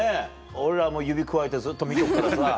俺ら指くわえてずっと見とくからさ。